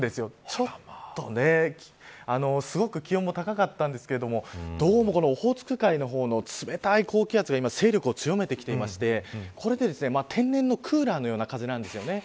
ちょっとねすごく気温も高かったんですけどどうもオホーツク海の方の冷たい高気圧が今、勢力を強めてきていてこれで天然のクーラーのような風なんですよね。